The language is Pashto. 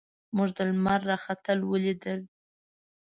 موږ د لمر راختل ولیدل.